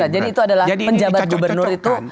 jadi itu adalah penjabat gubernur itu